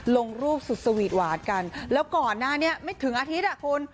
ลงรูปสุดสวีทหวานกันแล้วก่อนไม่ถึงอาทิตย์